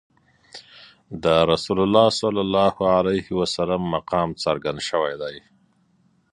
د رسول الله صلی الله علیه وسلم مقام څرګند شوی دی.